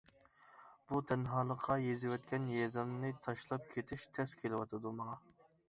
بۇ تەنھالىققا يېزىۋەتكەن يېزامنى تاشلاپ كېتىش تەس كېلىۋاتىدۇ ماڭا.